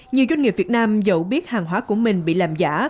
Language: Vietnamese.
nhiều doanh nghiệp việt nam dẫu biết hàng hóa của mình bị làm giả